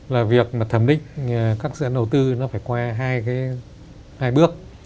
là việc thẩm định các dự án đầu tư nó phải qua hai bước